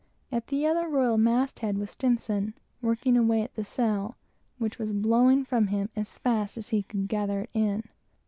At the other royal mast head was S , working away at the sail, which was blowing from him as fast as he could gather it in.